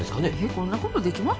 こんなことできます？